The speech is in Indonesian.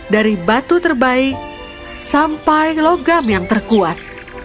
dari batu terbaik sampai logam yang terkuat